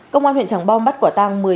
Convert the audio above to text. công an huyện trảng bom bắt quả tăng